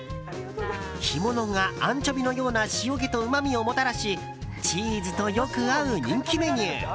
干物がアンチョビのような塩気とうまみをもたらしチーズとよく合う人気メニュー。